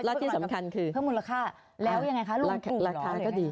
และที่สำคัญคือเพิ่มมูลค่าแล้วยังไงคะลูกราคาก็ดี